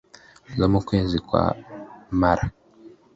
zo mu kwezi kwa m ara